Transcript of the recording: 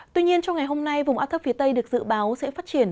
tuy nhiên trong ngày hôm nay vùng áp thấp phía tây được dự báo sẽ phát triển